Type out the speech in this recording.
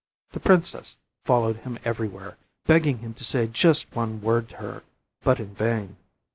The princess followed him everywhere, begging him to say just one word to her, but in vain.